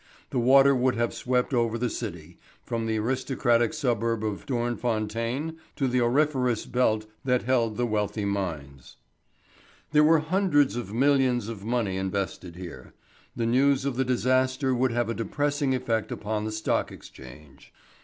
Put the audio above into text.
The water would have swept over the city, from the aristocratic suburb of Dornfontein to the auriferous belt that held the wealthy mines. There were hundreds of millions of money invested here. The news of the disaster would have a depressing effect upon the Stock Exchange.